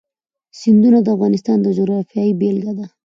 سیندونه د افغانستان د جغرافیې بېلګه ده.